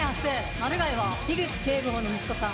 マルガイは口警部補の息子さん。